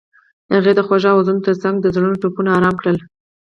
هغې د خوږ اوازونو ترڅنګ د زړونو ټپونه آرام کړل.